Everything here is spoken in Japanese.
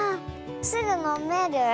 すぐのめる？